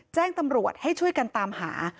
แจ้งตำรวจให้ช่วยกันตามหา